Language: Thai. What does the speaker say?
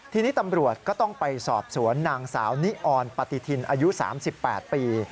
ทีนี้ตำรวจก็ต้องไปสอบสวนนางสาวนิออนปฏิทินอายุ๓๘ปี